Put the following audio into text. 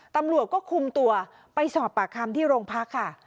ตำรวจก็คุมตัวไปสอบปากคำที่โรงพักค่ะ